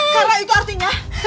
karena itu artinya